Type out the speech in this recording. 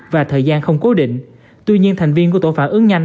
và thời gian không cố định tuy nhiên thành viên của tổ phạm ứng nhanh